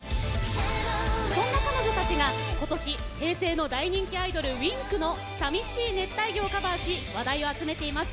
そんな彼女たちが今年平成の大人気アイドルＷｉｎｋの「淋しい熱帯魚」をカバーし話題を集めています。